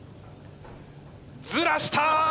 ずらした！